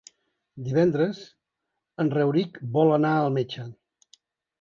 Divendres en Rauric vol anar al metge.